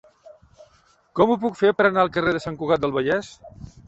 Com ho puc fer per anar al carrer de Sant Cugat del Vallès?